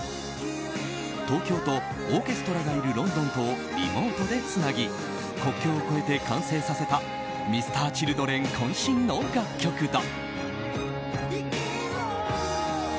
東京とオーケストラがいるロンドンとをリモートでつなぎ国境を越えて完成させたＭｒ．Ｃｈｉｌｄｒｅｎ渾身の楽曲だ。